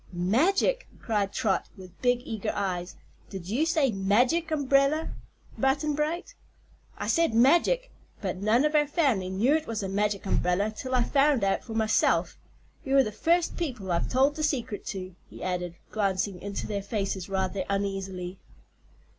"Magic!" cried Trot, with big, eager eyes; "did you say Magic Umbrel, Button Bright?" "I said 'Magic.' But none of our family knew it was a Magic Umbrella till I found it out for myself. You're the first people I've told the secret to," he added, glancing into their faces rather uneasily.